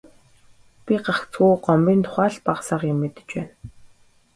Бид гагцхүү Гомбын тухай л бага сага юм мэдэж байна.